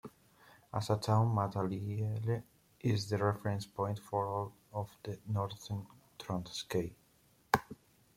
As a town, Matatiele is the reference point for all of the northern Transkei.